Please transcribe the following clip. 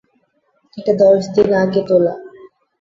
এটা দশ দিন আগে তোলা।